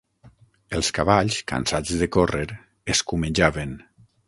Els cavalls, cansats de córrer, escumejaven.